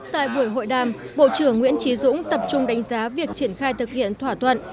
tại buổi hội đàm bộ trưởng nguyễn trí dũng tập trung đánh giá việc triển khai thực hiện thỏa thuận